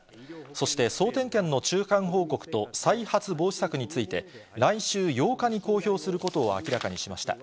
そして総点検の中間報告と再発防止策について、来週８日に公表することを明らかにしました。